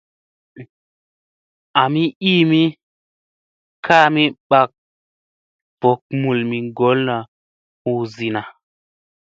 Ami iimi kaami bakŋga vok mulmi ŋgolla hu zinna.